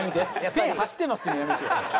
「ペン走ってます」って言うのやめてよ。